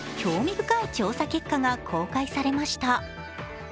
深い調査結果が公開されました。